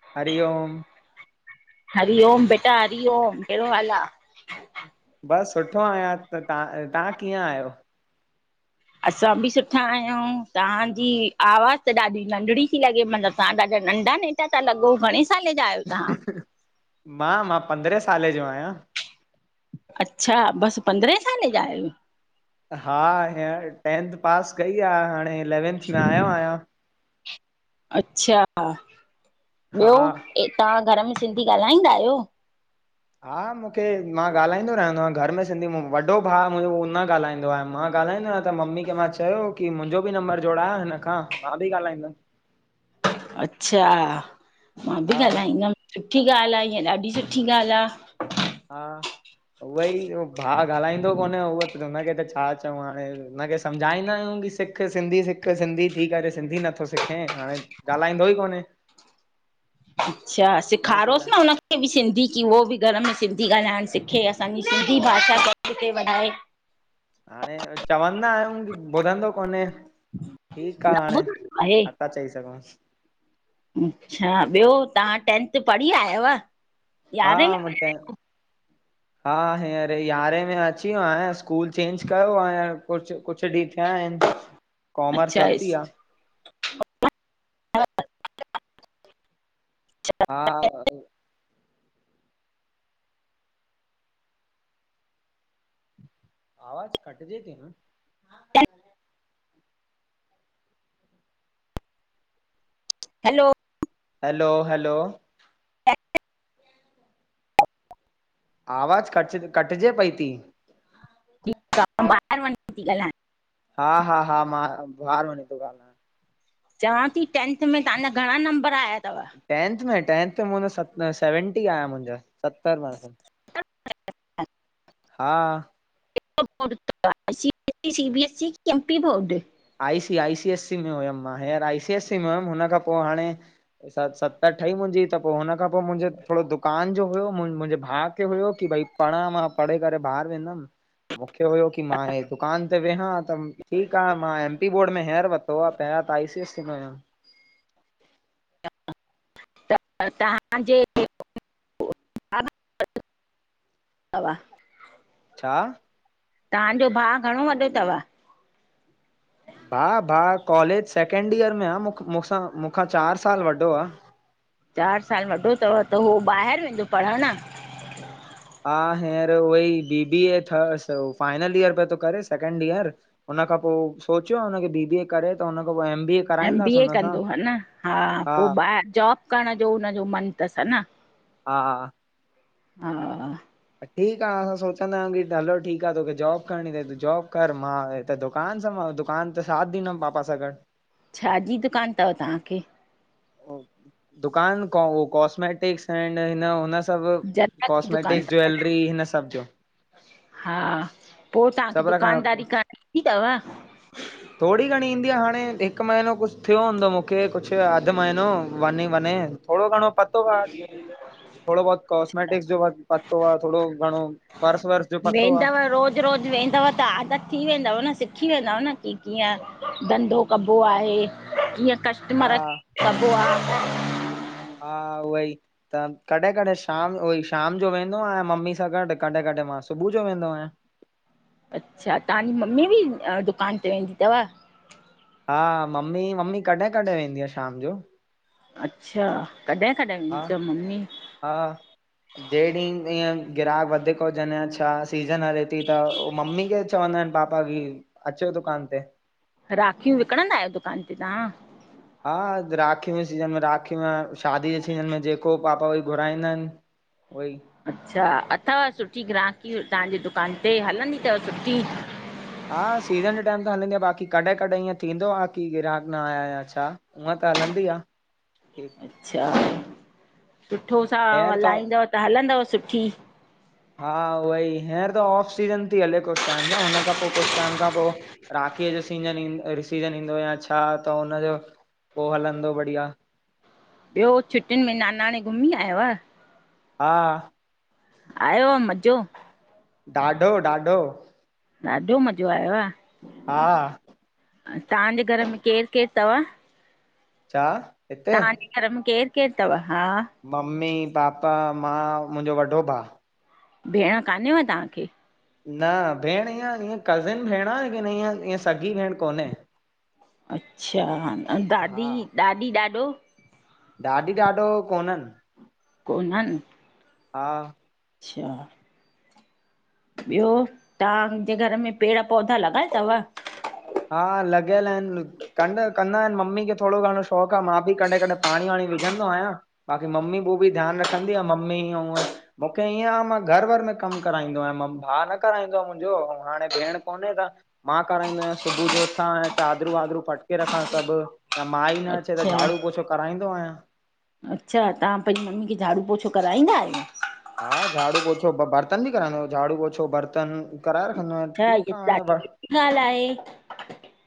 हरि ओम हरिओम बेटा हरिओम, केहिड़ो हालु आ? बसि सुठो आहियां, त तव्हां- तव्हां कीअं आहियो? असां बि सुठा आहियूं। तव्हांजी आवाज़ु त ॾाढी नंढड़ी ती लॻे, मतिलबु तव्हां ॾाढा नंढा न नेटा ता लॻो घणेस मां- मां पंद्रहें साले जो आहियां। अच्छा! बसि पंद्रहे साले जा आहियो? हा हींअर टेंथ पास कई आ। हाणे इलेवंथ में आयो आहियां। अच्छा! हा ॿियो? तव्हां घरु में सिंधी ॻाल्हाईंदा आहियो? हा मूंखे मां ॻाल्हाईंदो रहंदो आहियां घर में सिंधी, वॾो भाउ मुंहिंजो उहो न ॻाल्हाईंदो आहे, मां ॻाल्हाईंदों आहियाँ। त मम्मी खे मां चयो की मुंहिंजो बि नंबर जोड़ायो हिनि खां, मां बि ॻाल्हाईंदमि। अच्छा मां बि हा ॻाल्हाईंदमि, सुठी ॻाल्हि आ ईअं, ॾाढी सुठी ॻाल्हि आ। हा। उहई भाउ ॻाल्हाईंदो कोन्हे, उहो त हुनखे त छा चऊं हाणे, हुनखे सम्झाईंदा आहियूं की सिखु सिखु सिंधी सिखु, सिंधी थी करे सिंधी नथो सिखे, हाणे ॻाल्हाईंदो ई कोन्हे। अच्छा! हिनजे लाइ सेखारोसि न हुनखे बि सिंधी की उहो बि घरु में सिंधी ॻाल्हाइणु सिखे, असांजी सिंधी भाषा खे अॻिते वधाए। हाणे चवंदा आहियूं, ॿुधंदो कोन्हे, ठीकु न आ हाणे। ॿुधंदो आहे? था चई सघोउसु। अच्छा, ॿियो तव्हां टेंथ पढ़ी आयव? हा यारहें मा में टेन्थ, हा हींअर यारहें में अची वियो आयां स्कूल चेंज कयो आ हिअंर, कुछ- कुछ ॾींहं थिया आहिनि, कॉमर्स अच्छा वरिती आहे। [unintelligible] हा आवाज़ु कटजे ती न? हैलो? हैलो-हैलो! आवाज़ु कट- कटजे पई ती। ठीकु आ, ॿाहिरु वञी तीं ॻाल्हायां। हा-हा- हा, मां ॿाहिरु वञी तो ॻाल्हायां। चवां ती, टेंथ में तांजा घणां नंबरु आया तवि? टेंथ में -टेंथ में मुहिंजा स सेवेंटी आहिया मुंहिंजा, सतरु परसेंट। अच हा - - [unintelligible] हा। केड़ो बोर्ड तवि? सीबीएससी- सीबीएससी की एमपीबोर्ड? आईसी आईसी एससी में हुयमि मां हींअर आईसी एसी में हुयमि। हुन खां पोइ हाणे स सतरि ठई मुंजी त पोइ हुन खां पो मुंजो थोड़ो दुकानु जो हुयो, मुंहिंजे भाउ खे हुयो की भई पढ़ा मां, पढ़े करे ॿाहिर वेंदमि। मूंखे हुयो की, मां हे दुकानु ते वेंहा त ठीकु आ। मां एमपी बोर्ड में हिंयर वरतो आ, पहिरां त आईसी एससी में हुयमि। त तव्हांजे - - [unintelligible] छा? तांजो भाउ घणो वॾो तवि? भाउ- भाउ कॉलेज सेकेंड ईयर में आ। मूसां- मूखां चारि सालु वॾो आ। चारि सालु वॾो तवि, त हो ॿाहिर वेंदो पढ़णु? हा, हींअर उहोई बीबीए थस फाइनल ईयर पयो तो करे सेकंड ईयर। हुन खां पोइ सोचियो आ, हुनखे बीबीए करे त हुन खां पोइ एमबीए एमबीए कंदो हनि? हा, पोइ ॿाहिरि जॉबु करणु जो हुन जो मन तसि हनि? हा-हा। हा। ठीकु आ, असां सोचंदा आहियूं की हलो ठीकु आ, तोखे जॉब करिणी तई, तूं जॉब कर मां त दुकानु संभाल, दुकानु ते साथ ॾिनमु पापा सां गॾु। छा जी दुकान तव तांखे? दुकान को, कॉस्मेटिक्स एंड हिन हुन अ ओ, जनरल जी दुकानु कॉस्मेटिक् अथव ज्वैलरी हिन सभु जो। हा, पो तांखे सभ रखण दुकानदारी करण ईंदी तव? थोड़ी घंणी ईंदी आ हाणे, हिकु महिनों कुछ थियो हूंदो मूंखे, कुछ अधु महनो, वञी वञे। थोड़ो घणो पतो आ, थोड़ो बहुत कॉस्मेटिक्स जो, पतो आ, थोड़े घणो। पर्स वर्स जो पतो आ वेंदव, रोज़-रोज़ वेंदव, त आदत थी वेंदव न, सिखी वेंदव न की कीयं धंधो कबो आहे, कीयं हा कस्टमर, कबो आ। हा, उ ई। त कॾहिं-कॾहिं शाम उ ई शाम जो वेंदो आहियां मम्मी सां गॾ, कॾहिं-कॾहिं मां सुबुह जो वेंदो आहियां। अच्छा, तांजी मम्मी बि, दुकान ते वेंदी तव? हा मम्मी, मम्मी कॾहिं-कॾहिं वेंदी आ, ‌ शाम जो। अच्छा, कॾहिं-कॾहिं वेंदी हा तव मम्मी। हा, जे ॾींह ईंएं ग्राहक वधीक हुजनि या छा सीज़न हले थी त, मम्मी खे चवंदा आहिनि पापा, की, अचो दुकान ते। राखियूं विकिणंदा आयो दुकान ते तां? हा, राखी जे सीजन में राखियूं, ऐं शादीअ जे सीजन में जेको पापा घुराइंदा आहिनि, उहोई। अच्छा! अथव, सुठी ग्राहकी तांजे दुकान ते? हलंदी तव सुठी? हा, सीज़न जे टाइम त हलंदी आ, बाकि कॾहिं- कॾहिं ईअं थींदो आ की ग्राहक न आया या छा। हूअं त हलंदी आ। अच्छा, सुठो सां हींअर त हलाईंदव त हलंदव सुठी। हा उहई हींअर त ऑफ सीज़न ती हले कुछ टाइम सां हुन खां, पो कुझु टाइम खां पो राखीअ जो सीजन ईंदो, और सीजन ईंदो या छा, त हुनजो पोइ हलंदो बढ़िया। ॿियो छुटियुनि में नानाणे घुमी आय आहिव? हा। आयो मज़ो? ॾाढो- ॾाढो। ॾाढो मज़ो आयो आह? हा। औरतव्हांजे घर में केरु- केरु अथव। छा? हिते। धर मे केर-केर तव हा। मम्मी- पापा, मां, मुंहिंजो वॾो भाउ। भेण कान्हेव तव्हांखे? न भेण ईअं, ईअं कज़िन भेण आ, किन इीअ ईअं सॻी भेण कोनहे अच्छा, ऐं ॾाॾी, हा। ॾाॾी- ॾाॾो? ॾाॾी- ॾाॾो, कोननि। कोननि। हा। च्छा। ॿियो, तव्हांजे घर में पेड़ पौधा लॻल थव? हा लॻल आहिनि। कं- कंदा आहिनि मम्मी खे थोरो घणो शौंक़ु आहे, मां बि कॾहिं- कॾहिं पाणी- वाणी विझंदो आहियां। बाक़ी मम्मी पोइ बि ध्यानु रखंदी आहे। मम्मीं हीअं- हूंअं। मुखे ईअं आ मां घर वर में कमु कराईंदो आयां, भाउ न कराईंदो आ मुंहिंजो, ऐं हाणे भेण कोन्हे त मां कराराईंदो आयांसि। सुबुह जो उथां चादरूं वादरूं फटके रखा सभु, यां माई न अचे त अच्छा झाड़ू पोछो कराईंदो आहियां। अच्छा, तहां पंहिंजी मम्मी खे झाड़ू पोछो कराईंदा आहियो? हा, झाड़ू पोछो बर्तन बि कराईंदो, झाड़ू पोछो बर्तन कराए रखंदो आहियां, अच्छा ठीकु आ इहा हाणे। ॾाढी सुठी ॻाल्हि आहे।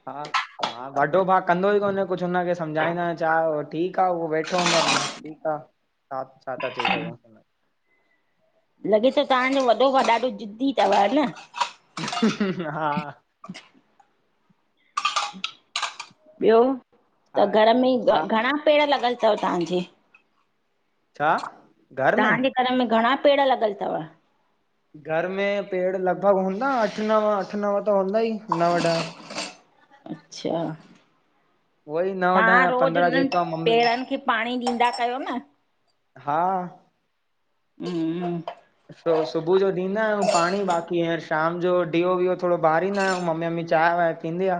हा, हा वॾो भाउ कंदो ई कोन्हे कुछु हुनखे सम्झाईंदा आहियां छा ठीकु आ, उहो वेठो हूंदो आ, ठीकु आ छा ता चई सघूं। लॻे त तांजो वॾो भाउ ॾाढो ज़िदी तव न? हा। ॿियो, हा त घर में हा घणा पेड़ लॻल तव तहांजे? छा, घर में। तव्हांजे घर में घणा पेड़ लॻल तव? घर में पेड़ लॻा हूंदा, अठ नव, अठ नव त हूंदा ई नव ॾह। अच्छा। उहो ई नव ॾह तहां या रोज़ पंद्रहं उननि जेका मम्मी पेड़नि खे पाणी ॾींदा कयो न। हा। हम्म। रोज़ु सुबुह जो ॾींदा आहियूं पाणी बाकी हींअर शाम जो डीओ वीओ थोरो ॿारींदा आहियूं मम्मी मम्मी। चांहिं बांहिं थींदी आ।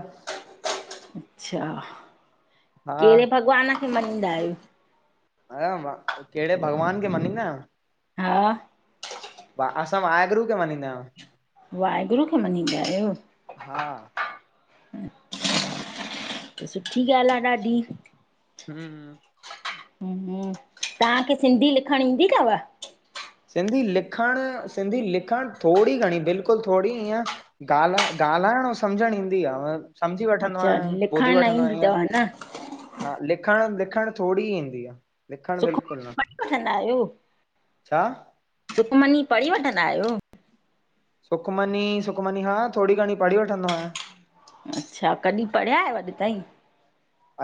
अच्छा, हा केड़े भॻवान खे मञींदा आहियो? ॿुधायांव मां, कहिड़े भॻवान खे मञींदा आहियूं। हा। असां वाहगुरू खे मञींदा आहियूं। वाहेगुरुू खे मञींदा आहियो। हा सुठी ॻाल् आ ॾाढी। हम्म। तां खे सिंधी लिखणु ईंदी तव? सिंधी लिखण, सिंधी लिखण थोरी घणी बिल्कुलु थोरी ईअं ॻाल्हाए, ॻाल्हाइण अऊं सम्झणु ईंदी आ बस सम्झी वठंदो अच्छा आहियां, ॿुधी लिखण न वठंदो ईंदी आहियां अथव ईअं। न हा, लिखण, लिखण थोरी ई ईंदी आ, लिखण बिल्कुल न। लिखंदायो। छा। सुखमनी पढ़ी वठंदा आहियो। सुखमनी, सुखमनी हा थोरी घणी पढ़ी वठंदो आहियां। अच्छा, कॾी पढ़िहिया आहियो अॼु ताईं।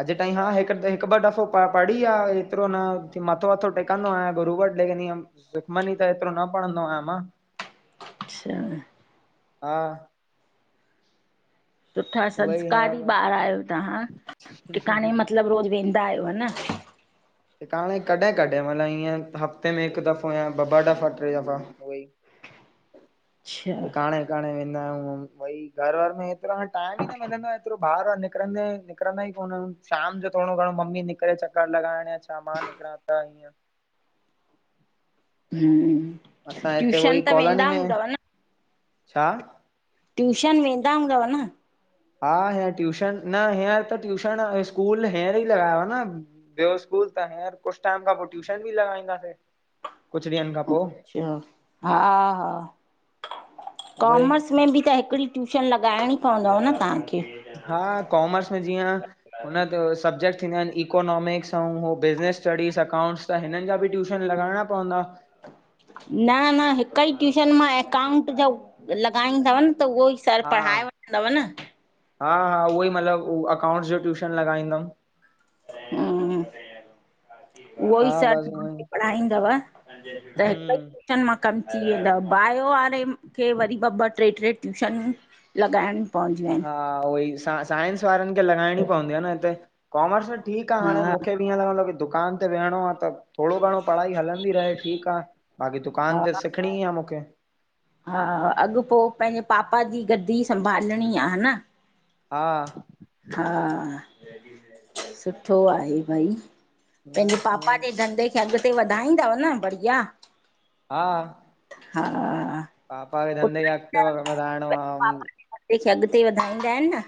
अॼु ताईं हा हिकु, हिकु ॿ दफ़ो पढ़ी आ, एतिरो न मथो वथो टेकंदो आहियां गुरू वटि लेकिन ईअं, सुखमनी त एतिरो न पढ़ंदो आहियां मां। अच्छा। हा। सुठा उहा ई संस्कारी हींअर ॿार आहियो तव्हां, टिकाणे मतिलब रोज़ वेंदा आहियो न। क हाणे कॾहिं कॾहिं मतिलब ईअं हफ़्ते में हिकु दफ़ो या ॿ ॿ दफ़ा टे दफ़ा ऊओई। अच्छा [inaudible] टिकाणे, विकाणे वेंदा आयूं बई! घर- वर में हेतरो हाणे टाइम ई न मिलंदो आ एतरो बाहर वने निकरंदे, निकरंदा ई कोन आयूं! शाम जो थोड़ो घड़ो मम्मी निकरे चक्कर लॻाण या छ ता मां निकरां त् हीअ हुम्मम असां हिते उई कॉलोनी में छा! ट्यूशन वेंदा हूदव न? हा हीअर ट्यूशन न हींअर त ट्यूशण स्कूल हींअर ई लगायो आ न ब्यों स्कूल त, हींअर कुछ टाइम खां पो ट्यूशन बि लगाईं दासें। अच्छा! हा-हा उहोई कॉमस् उन में भी त हिकड़ी ट्यूशन लॻाणी प़वदव न तहांखे। हां कॉमर्स में जिअ हुन ते अअ् सबज़ेक्ट थींदा आहिन, इकोनॉमिक्स अउं हो बिज़नीस स्ट्डीस अकाउंट्स। त् हिनन जा बि ट्यूशन लॻाणा पवंदा। न-न हिक ई ट्यूशन मां एकाउंट जो लगाईंदव न त उओ ई स सर, पढ़ाए वठंदव न! हा-हा उहो ई मतलब उ अकाउंट्स जो ट्यूशन लॻाईंदम। हूंम्म, उहो ई हा सर बसि उअं तहांखे ई पढ़ाईंदव! त् हिक़ ई हम्म ट्यूशन शन मां कम थी वेंदव, बायो वारे खे वरी ॿ-ॿ, ट्रे-ट्रे ट्यूशन लगाणयूं पवदयूं आऐन। हा, उहोई साइन्स वारन खे लॻाणी पवंदी आ न इते, कॉमर्स में ठीक आ हाणे हा मूखे बि ईअ लग़दो आ की दुकान ते वेहणो आ त थोड़ो घणो पढ़ाई हलंदी रहे ठीक आ, बाक़ी दुकान त हा सिखणी आ मुखे। हा अॻ-पो पहिंजे पापा जी गद्दी संभालणी आ हन्! हा आ हा! सुठो आहे भई पहिंजे बस उअई पापा जे धंधे खे अगते वधाईंदव न बढ़ियां! हा, पापा वे धंधे खे अगते वधाणो आ हुम! केख़े अगते वधाईंदा आऐं न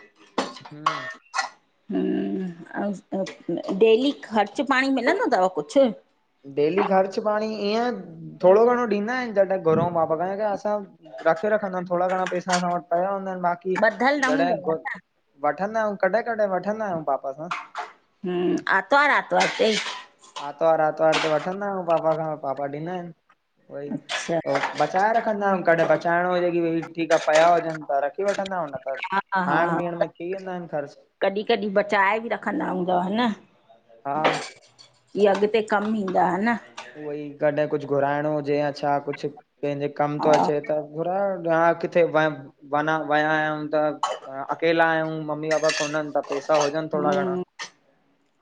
हूम्म - - हुम् अअ् डेली ख़र्च पाणी मिलंदो तव कुछ। डेली ख़र्च पाणी ईअं थोड़ो-घणो ॾींदा आऐं न ज़ादा घुरऊं पापा खां या असां रखे रखदायूं थोड़ा-घणा पैसा असां वट पया हूंदा आऐं न बाक़ी। ब़ध्धल न जॾहिं हूंदव घु- हन्! वठंदा आयूं कॾें-कॾें वठंदा आयू पापा सां। हूम आत्वार-आतवार ते! आरत्वार-आरत्वार ते वठंदा आऊं पापा खां, पापा ॾिंदा आहिन उई अच्छा ओं बचाए रखंदा आउ कॾहिं बचाणो हुजे की भई ठीक आ पया हुज़न त रखी वठंदा आऊं न त हा हा ख़ाअण-पीअण में थी वेंदा आऐं न ख़र्च। की कॾीं बचाए बि रखंदा हूंदव हऩ। हा की अॻते कम ईंदा हऩ। उहो ई कॾहिं कुछ घुराणो हुज़े या छा कुछ पहिंजे कम थो हा अचे त घुराए वठदो आया किथे व वञां वया आयूं त! अकेला आहयू मम्मी पापा कोनन त पैसा हुज़न थोड़ा घणा। हम्म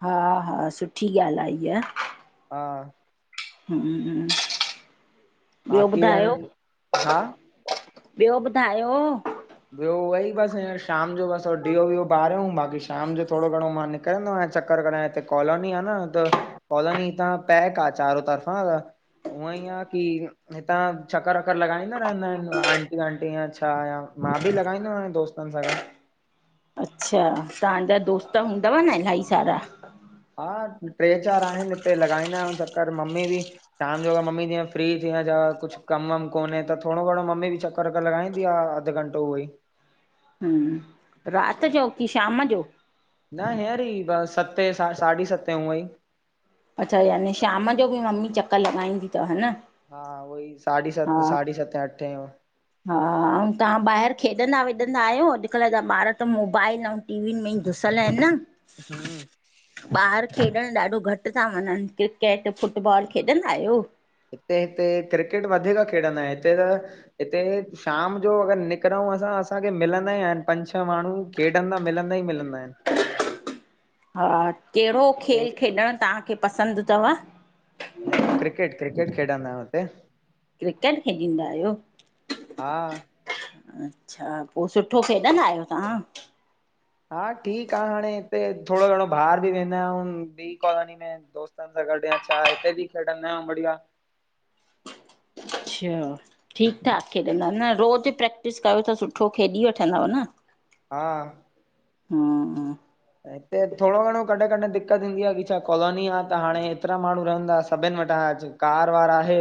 हा हा, सुठी ॻाल्ह आ इहा। हा। हूं, बियो बाक़ी ॿुधायो? हाणे हा ॿियो ॿुधायो? ॿियो उह ई बस हीअंर शाम जो बस हो डीओ विओ बारऊ बाकी शाम जो थोरो घणो मां निकिरंदो आयां चकर कर हिते कॉलोनी आ न त कालोनी इत पैक आ चारो तरफ़ा हुअं ई आहे की हितां चक्कर वकर लॻाईंदा रहंदा आहिनि आंटी वंटी या छा या मां बि लॻाईंदो आहियां दोस्तनि सां गॾु। अच्छा, तव्हांजा हा दोस्त हूंदव न इलाही सारा? हा टे चारि आहिनि हिते लॻाईंदा आहियूं चक्कर मम्मी बि शाम जो अगर मम्मी तीअं फ्री थीया कुझु कम वमु कोन्हे त थोरो घणो मम्मी बि च कर वकर लॻाईंदी आ अधु घंटो उहो ई। हूं राति जो की शाम जो? न हीयंर ई ब सते साढी सते हूंअई। अच्छा याने शाम जो बि मम्मी चकर लॻाईंदी तव हा न? हा उवई साढी हा सत साढी सते अठे। हा, आऊं तव्हां ॿाहिरि खेॾंदा वेॾंदा आहियो, अॼुकल्ह जा ॿार त मोबाइल ऐं टीवीनि में ई घुसियल आहिनि न। हूं, ॿाहर खेॾणु ॾाढो घटि था वञनि क्रिकेट, फुटबॉल खेॾंदा आयो? हित हिते क्रिकेट वधीक खेडंदा इन हिते त हिते शाम जो अगरि निकिरऊं असां असांखे मिलंदा ई आहिनि पंज छह माण्हू। खेॾंदा मिलंदा ई मिलंदा आहिन हा, कहिड़ो हिते खेल खेॾणु तव्हां खे पसंदि तव? हे क्रिकेट क्रिकेट खेॾंदायूं हुते। क्रिकेट खेॾींदा आयो? हा अच्छा, पो सुठो खेॾंदा आयो तव्हां? हा ठीक आ हाणे हिते थोरो घणो ॿाहिर बि वेंदा आयूं ॿी कॉलोनी में दोस्त तनि सां गॾ या छा हिते बि खेॾंदा आयू ॿढिया। अच्छा, ठीकु ठाक खेॾंद न रोज़ प्रे क्टिस कयो त सुठो खेॾी वठंदव न। हा, हूं हूं। हिते थोरो घणो कॾहिं-कॾहिं दिक़त थींदी आ की छा कॉलोनी आ त हाणे हेतिरा माण्हू रहंदास सभिनि वट आज कार वार आहे।